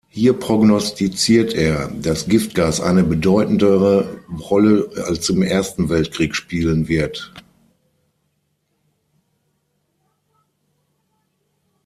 Hier prognostiziert er, dass Giftgas eine bedeutendere Rolle als im Ersten Weltkrieg spielen wird.